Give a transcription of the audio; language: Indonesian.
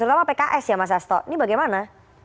terutama pks ya mas asto ini bagaimana